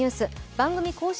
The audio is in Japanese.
番組公式